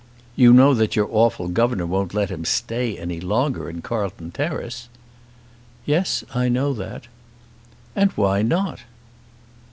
"You know that your awful governor won't let him stay any longer in Carlton Terrace?" "Yes, I know that." "And why not?"